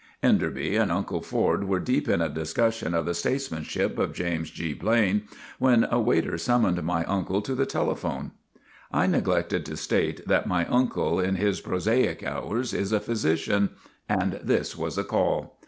Enderby and Uncle Ford were deep in a discus sion of the statesmanship of James G. Elaine, when a waiter summoned my uncle to the telephone. I neglected to state that my uncle, in his prosaic hours, is a physician; and this was a call.